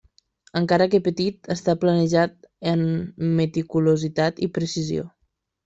Encara que petit, està planejat amb meticulositat i precisió.